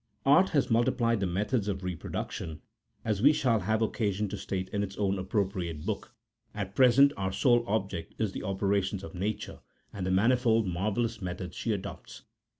Art has multiplied the methods of reproduction, as we shall have occasion to state in its own appropriate Book :70 at present our sole subject is the operations of Nature, and the manifold and marvellous methods she adopts.